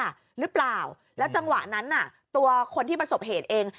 หรือเปล่าแล้วจังหวะนั้นน่ะตัวคนที่ประสบเหตุเอง